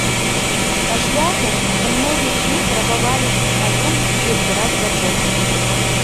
Па шляху ў многіх з іх рабавалі іх маёмасць і адбіралі дачок.